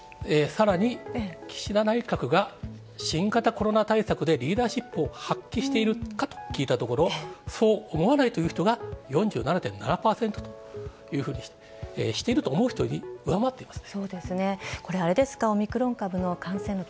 さらに、岸田内閣が新型コロナ対策でリーダーシップを発揮しているかと聞いたところ、そう思わないという人が４７．７％と、していると思う人より上回っています。